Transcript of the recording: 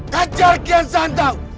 kejar kian santeng